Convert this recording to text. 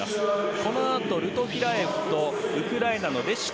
このあと、ルトフィラエフとウクライナのレシュク。